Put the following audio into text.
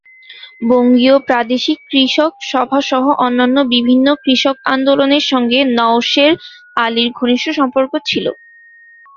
বঙ্গীয় প্রাদেশিক কৃষক সভা সহ অন্যান্য বিভিন্ন কৃষক আন্দোলনের সঙ্গে নওশের আলীর ঘনিষ্ট সম্পর্ক ছিল।